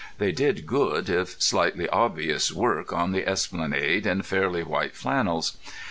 They did good, if slightly obvious, work on the esplanade in fairly white flannels.